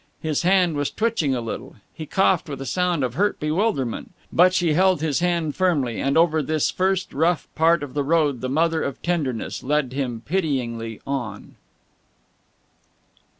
His hand was twitching a little; he coughed with a sound of hurt bewilderment; but she held his hand firmly, and over this first rough part of the road the mother of tenderness led him pityingly on.